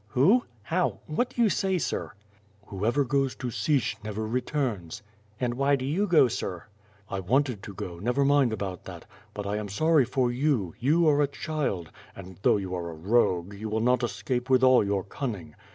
"Who? How? What do you say, sir." "Whoever goes to Sich, never returns." "And why do you go, sir?'' "I wanted to go, never mind about that; but I am sorry for you; you are a child, and though you are a rogue, you will not escape with all your cunning.